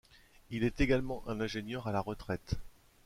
Il est également un ingénieur à la retraite.